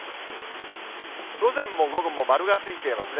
午前も午後も丸がついていますね。